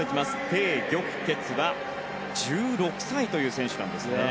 テイ・ギョクケツは１６歳という選手なんですね。